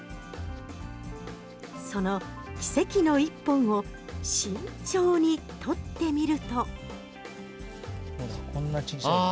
その奇跡の１本を慎重に採ってみると。